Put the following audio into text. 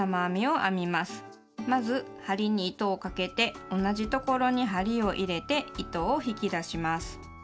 まず針に糸をかけて同じところに針を入れて糸を引き出します。